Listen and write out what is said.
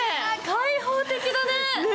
開放的だね。